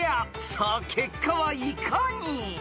［さあ結果はいかに？］